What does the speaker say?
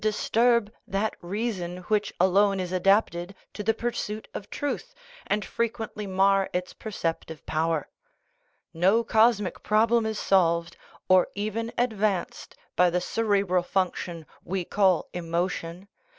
17 THE RIDDLE OF THE UNIVERSE turb that reason which alone is adapted to the pursuit of truth, and frequently mar its perceptive power. No cosmic problem is solved, or even advanced, by the cere bral function we call emotion.